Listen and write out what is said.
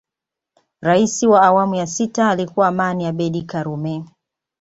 Rais wa awamu sita alikuwa Aman Abeid karume